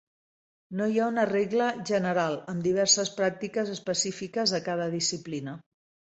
No hi ha una regla general, amb diverses pràctiques específiques de cada disciplina.